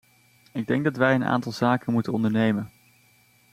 Ik denk dat wij een aantal zaken moeten ondernemen.